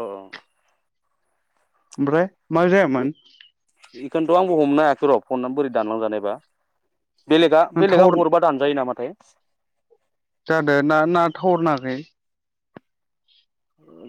औ। ओमफ्राय मा जायामोन? [inaudible] बो हमनो हायासै र' फननानै बोरै दानलांजानायबा। बेलेगा बेलेगा टावार हरबा दानजायो नामा? जादों ना ना थावर नाङाखै?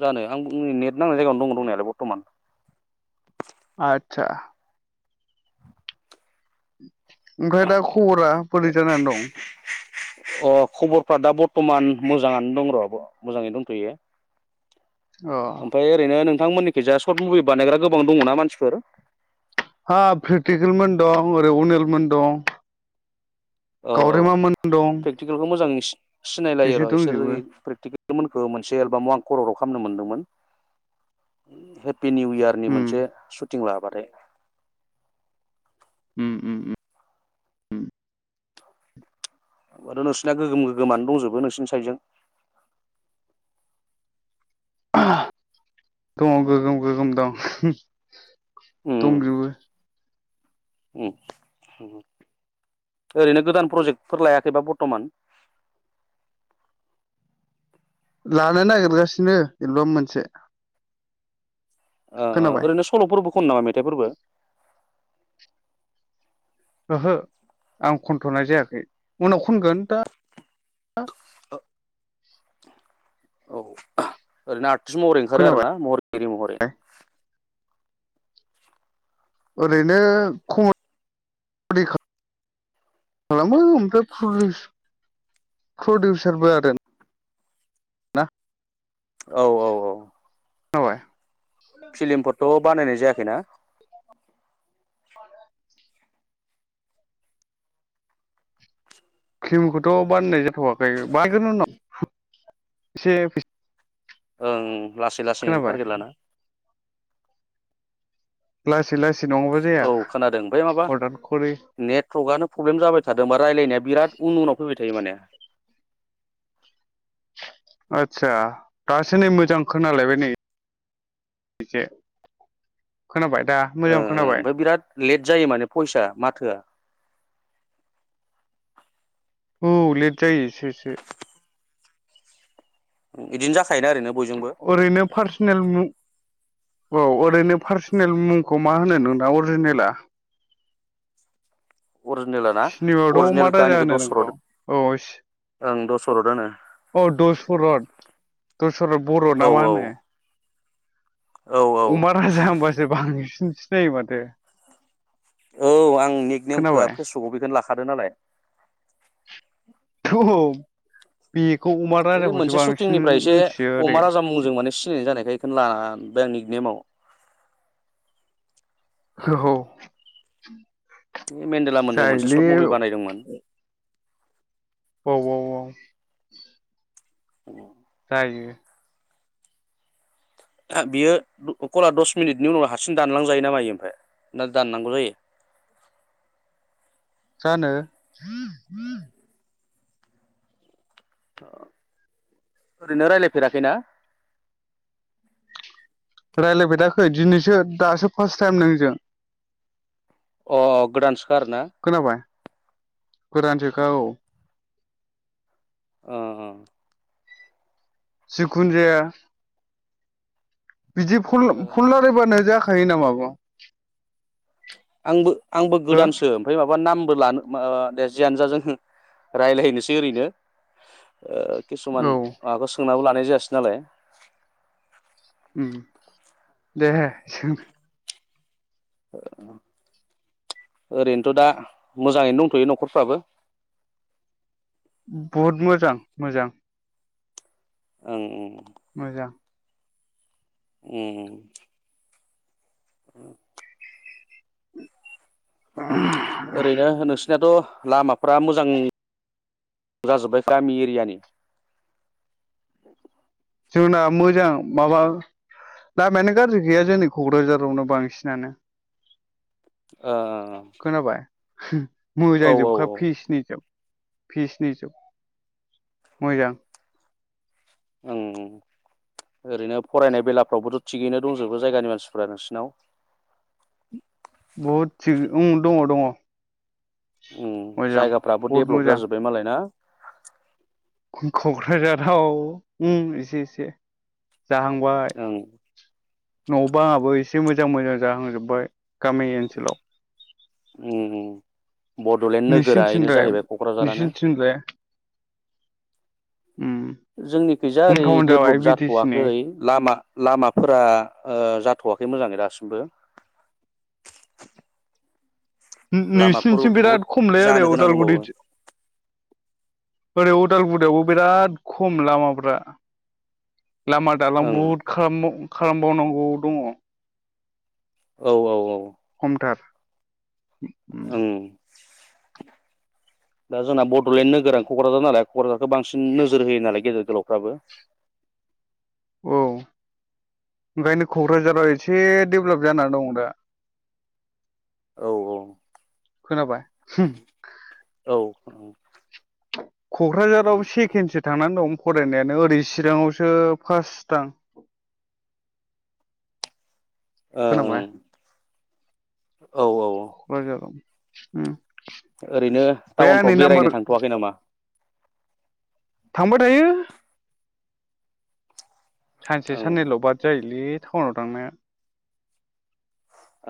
जानो आंनि नेट नांनाय जायगायावनो दं दंनायालाय बर्थमान। आतसा। [inaudible] ओमफ्राय दा खबरा बोरै जानानै दं अ खबरफ्रा दा बर्थमान मोजाङानो दं र' मोजाङैनो दंथ'यो। अ ओमफ्राय ओरैनो नों नोंथांमोननिखैजा सर्ट मुभि बानायग्रा गोबां दङना मानसिफोर? हा प्रेकटिकेलमोन दं ओरै अनिलमोन दं। औ औ गावरेमामोन दं प्रेकटिकेलखौ मोजांसि सिनायलायनो बिसोर र' इसोर दंजोबो इं प्रेकटिके बिथांमोनखौ मोनसे एलबामाव आं खर'र 'खालामनो मोनदोंमोन। हेपि निउ इयारनि उम मोनसे सुटिं लाबा। [inaudible] उम उम उम। बाथ' नोंसनिया गोगोम गोगोमानो दंजोबो नोंसोरनि साइडजों। आहा दङ गोगोम गोगोम दं। दंजोबो। ओम [inaudible] ओ रैनो गोदान प्रजेक्टफोर लायाखैबा बर्तमान? लानो नागिरगासिनो एलबाम मोनसे। ओ ओ खोनाबाय ओरैनो सल'फोरब खनो नामा मेथाइफोरबो? [inaudible] ओहो आं खनथ'नाय जायाखै उनाव खनगोन दा [inaudible] औ ओरैनो ट्रिस महरै ओंखारो खोनाबाय आरोना महरैगिरिरि महरै। ओरैनो कमडि खालामो ओमफ्राय प्र-प्रडिउसारबो आरो ना। औ औ औ। खोनाबाय। फिलिमफोरथ' बानायनाय जायाखैना? फिलिमखौथ' बानायनाय जाथ'वाखै बानायगोन उनाव एसे फैसा ओं। लासै लासै थारगेट लाना। लासै लासै नङाबा जाया औ खोनादों ओमफ्राय माबा हरदान खरि नेटवर्कआनो प्रब्लेम जाबाय थादों बा रायज्लायनाया बिराद उन उनाव फैबाय थायो माने। आदसा दासो नै मोजां खोनालायबाय नै एसे। खोनाबाय दा ओ ओ मोजां खोनाबाय ओमफ्राय बिराद लेट जायो माने भयेसआ माथोआ। औ लेट जायो एसे एसे। बिदिनो जाखायोना आरैनो। ओरैनो पार्सनेल औ ओरैनो पार्सनेल मुंखौ मा होनो नोंना अरिजिनेला अरिजिनेल ना सिनेमायावथ' अमा अरिजिनेलखौ राजा आंनिखौ होनो नोंखौ दसरद' औ ओं दस दसर'तआनो। औ दसर'त दसर'द बर' ना औ मा होनो। औ औ औ अमा राजा होनबासो बांसिन सिनायो माथो। औ आं निक नेमखौआ खोनाबाय फेसबुकव बेखौनो लाखादो नालाय। बे ओइ मोनसे शुटिंनिफ्राय एसे अमा राजा आरो मुंजों माने सिनायनाय जानायखाय बेखौनो लाबाय आं निख नेमाव। औ [unintelligible] बे मेन्देलाम मोनजों मोनसे जायोलै सर्ट मुभि बानायदोंमोन। औ औ औ औ जायो। बियो खला दस मिनिटनि उनाव हारसिं दानलांजायो नामायो ओमफ्राय ना दाननांगौ जायो। जानो ओरैनो राय्लायफेराखैना? राय्लायफेराखै दिनैसो दासो फार्स्ट टाइम नोंजों। अ गोदान सो खा आरोना? गोदान सो खा औ। ओ जिखुनु जाया। बिदि फन रायलायबानो नामा बाव आंबो आंबो गोदानसो ओमफ्राय माबा नाम जियानो जा जों रायलायनो सै ओरैनो। ओ किसुमान औ माबाखौ सोंनांगौ लानो। नाय जायासै नालाय। दे। [unintelligible] ओरैनोथ' दा मोजाङैनो दंथ'यो न'खरफ्राबो। बहुद मोजां मोजां। ओं ओं। मोजां। ओम। [inaudible] ओरैनो नोंसिनियाथ'। लामाफ्रा मोजां जाजोब्बाय गामि एरियानि। जोंना मोजां माबा लामायानो गाज्रि गैया जोंनि क'क्राझारावनो बांसिनानो ओ। खोनाबाय। [inaudible] औ औ मोजांजोबखा फिसनि जोब फिसनि जोब मोजां। ओं ओं ओरैनो फरायनाय बेलाफ्रावबोथ' थिगैनो दंजोबो जायगानि मानसिफ्रा नोंसिनाव। बहुद थिग ओम दङ दङ। उम मोजां जायगाफ्राबो बहुद देडेभलप मोजां जाजोब्बाय मालाय ना। क'क्राझाराव ओम एसे एसे। जाहांबाय ओं न' बाङाबो एसे। से मोजां मोजां जाहांजोबबाय गामि ओनसोलाव। ओम बड'लेण्ड नोगोरा बेनो नोंसिनिथिंलाय जाहैबाय क'क्राझारानो। नोंसिनिथिंलाय उम जोंनिखैजा ओरै हमटाउन जाबाय डेभेलप बिटिसिनि जाथ'वाखै लामा लामाफोरा ओ जाथ'वाखै मोजाङै दासिमबो। लामाफोर नों-नोंसिनिथिम बहुद बिराद खमलाय आरो जानो गोनां उदालगुरि दंबावो ओरै उदालगुरियावबो बिराद खम लामाफ्रा। लामा दालां ओं बुहुद खालाम खालामबावनांगौ दङ। औ औ औ। थार ओं। दा जोंना बड'लेण्ड नोगोर क'क्राझार नालाय क'क्राझारखौ बांसिन नोजोर होयो नालाय गेदेर गोलावफ्राबो। औ। ओंखायनो क'क्राझाराव एसे डेभेलप जानानै दं दा औ औ खोनाबाय औ। औ औ। क'क्राझाराव सेकेणडसो थांनानै दं। फरायनायानो ओरै चिरांआवसो फास्ट दां ओ ओं। औ औ कक्राझारआव उम ओरैनो टाउनफ्राव बेरायनो थांथ'वाखै नामा? थांबाय थायो। सानसे ओं साननैल' बाद जायो। [unintelligible] टाउनाव थांनाया।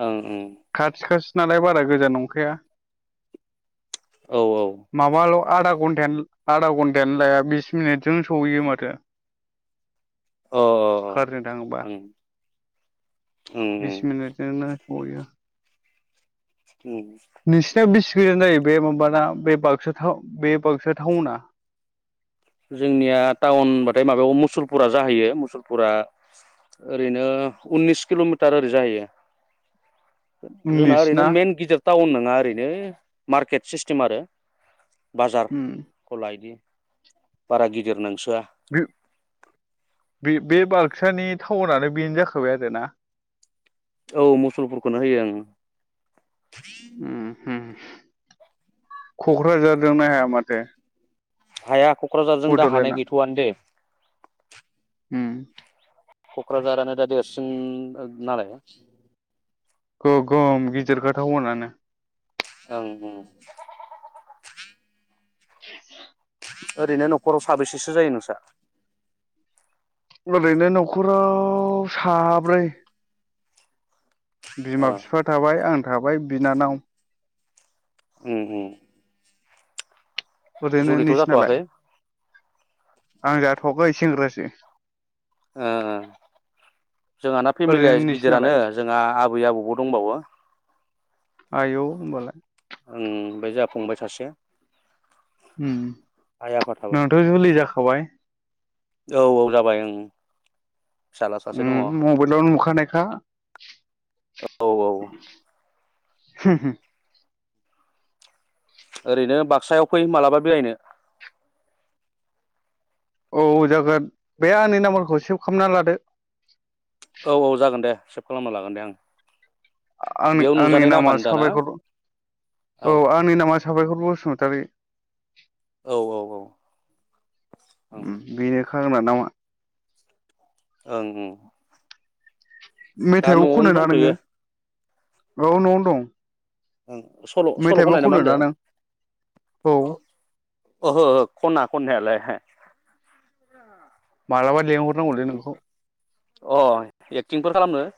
ओं। ओं खाथि खासि नालाय बारा गोजान नंखाया औ औ। आदा घनटा घन्टायानो लाया बिस मिनिटजों सहैय माथो। अ ओं खारनो थाङोबा ओं ओं बिस मिनिटजोंनो गयो। ओम नोंसिनिव बेसे गोजान जायो बे माबाना बे बाक्सा बे बाक्सा टाउना? जोंनिया टाउन होनबाथाय माबायाव मुसुलपुरा जाहैयो मुसुलपुरा ओरैनो उननिस किल'मिटार ओरै जाहैयो। जोंना ओरैनो नोंसिना मेन गिदिर टाउन होन बा एरैनो मार्केट सायस आरो। बाजार उम खौ गला इदि बारा गिदिर नांसग [inaudible] बे बे बाक्सानि टाउनानो बेनो जाखाबाय आरोना। औ मुसलफोरखौनो होयो आं। ओम होम। क'क्राझारजोंनो हाया माथो। हाया क'क्राझारजों दा हानाय बड'लेण्डआ गैथ'आनो दे। ओम। क'क्राझारानो दा देरसिन नालाय। गो गोम गिदिर खा तावनआनो। ओं ओं। [unintelligible] ओरैनो न'खराव साबेसेसो जायो नोंस्रा? ओरैनो न'खराव साब्रै। बिमा ओ बिफा थाबाय आं। थाबाय बिनानाव। उम उम। ओरैनो जुलिथ' नोंसिनालाय जाथ'वाखै? आं जाथ'आखै सेंग्रासो। ओ जोंहाना फेमिलिया ओरैनो नोंसिनालाय गिदिरानो जोंहा आबै आबौबो दंबावो। आयौ होमबालाय। आमफ्राय जोंहा फंबाय सासे। उम आइ आफा थाबाय नोंथ' जुलि जाखाबाय? औ औ जाबाय ओं। फिसाला सासे दङ औ उम मबाइलावनो नुखानायखा। औ [unintelligible] ओरैनो बाक्सायाव फै मालाबा बेरायनो। औ जागोन बे आंनि नाम्बारखौ सेभ खालामना लादो। औ औ जागोन दे सेभ खालामना लागोन दे आं। आं बेयाव आंनि नुजानाय नामा नामानो दाना साबायखर औ आंनि नामा साबायखर बसुम थारि। औ औ औ। ओं ओम बिनो। खालामना नामा। ओं ओं। दा मेथाइबो न'आवनो खनो ना नोङो? दंथ'यो औ न'आव दं। ओ सल' सल' मेथाइबो खनाय ना मा खनो नों औ होनदों ओहो खना खननायालाय। [inaudible] मालाबा लेंहर अ एक्टिंफोर खालामनो।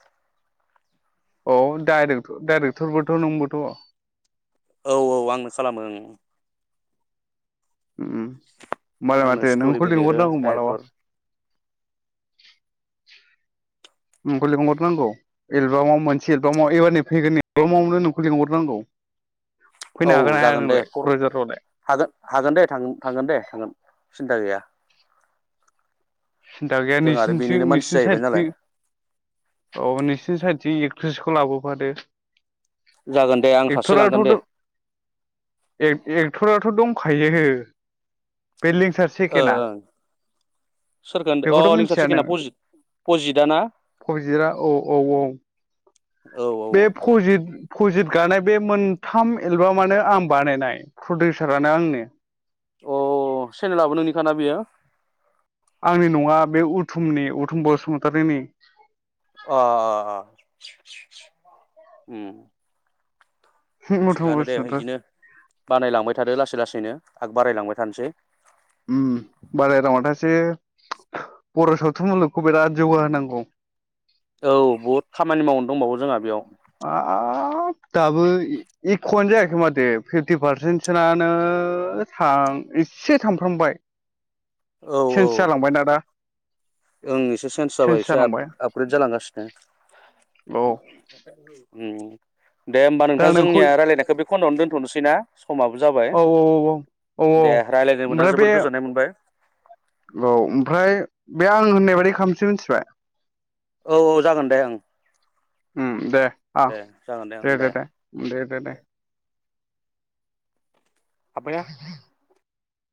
औ डाइरेकथ' डाइरेक्टरबोथ' नोंबोथ' औ औ आंनो खालामो ओं। ओम होमबालाय आंनो माथो नोंखौ स्ट'रिबो लिरो लिंहरनांगौ मालाबा। डाइरेक्टर नोंखौ लिंहरनांगौ एलबामाव मोनसे एलबाम एबारनि फैगोननि एलबामावनो नोंखौ लिंहरनांगौ। फैनो औ हागोन हाया जागोन दे नोंलाय फर क'क्राझारावलाय हागोन हागोन दे थांगोन दे थांगोन। सिन्था गैया। सिन्था गैया जों आरो नोंसिनिथिं बेनिनो मानसि नोंसिनि जाहैबाय नालाय साइडथिं औ नोंसोरनि साइद जि एक्ट्रिसखौ लाबोफादो। जागोन दे आं सासे लांगोन एक्टराथ' दे। एक्टराथ' दंखायोहो बे लिंसार सेकेनआ। ओं सोरखौ होनदो अ लिंसार सेकेन्डआ पजित पजितआ ना? फजितआ औ औ औ औ बे फजित पजित गानाय बे मोन्थाम एलबामानो आं बानायनाय प्रडिउसारानो आंनो। अ चेनेलाबो नोंनिखाना बेयो? आंनि नङा बे उथुमनि उथुम बसुमतारिनि। अ [inaudible] ओम। उथुम थिगानो दे बसुमतारि इदिनो बानायलांबाय थादो लासै लासैनो आग बारायलांबाय थानोसै। ओम बानायलांबाय थासिगोन। बर' सावथुन मुलुगखौ बिराद जौगाहोनांगौ। औ बहुद खामानि माव दंबावो जोंहा बेयाव हाब दाबो इकुवनो जायाखै माथो फिफ्टि पारसेन्टसोनानो थां एसे थांफ्रामबाय। औ चेन्स औ जालांबायना दा। ओं एसे सेन्स जाबाय चेन्ज एसे आप जालांबाय आपग्रेद जालांगासिनो। औ। उम। दे होमबा नोंथां दा नोंखौ जोंनिया रायलायनायखौ बे खनद'यावनो दोनथ'नोसै ना समाबो जाबाय। औ औ औ दे रायलायनो मोनना ओमफ्राय बे जोबोद गोजोननाय मोनबाय। औ ओमफ्राय बे आं होननाय बादि खामसै मिथिबाय। औ औ जागोन दे ओं। ओम दे। आ दे जागोन ओं दे दे दे दे दे दे। आबाया